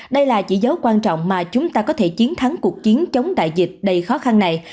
đây là chỉ dấu quan trọng mà chúng ta có thể chiến thắng cuộc chiến chống đại dịch đầy khó khăn này